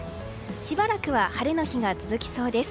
しばらくは晴れの日が続きそうです。